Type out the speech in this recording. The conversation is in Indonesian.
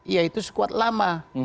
yaitu sekuat lama